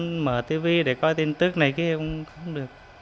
lâu lâu mở tivi để coi tin tức này kia cũng không được